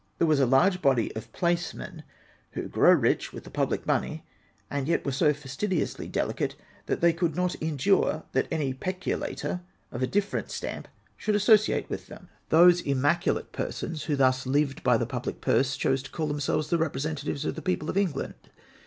There was a large body of placemen who grow rich Avitli the public money, and yet were so fastidiously delicate that they could not endure that any peculator of a different stamp should associate with them. Those imma 448 AITENDIX XI. ciilate persons wlio thus lived by the public purse chose to call themselves the representatives of the people of England.